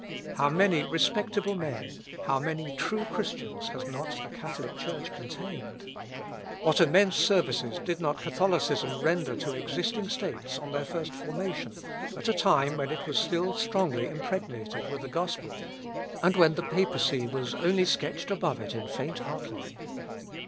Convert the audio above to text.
How many respectable men, how many true Christians has not the Catholic Church contained! What immense services did not Catholicism render to existing states on their first formation, at a time when it was still strongly impregnated with the Gospel, and when the Papacy was only sketched above it in faint outline!